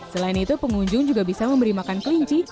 selain itu pengunjung juga bisa memberi makan kelinci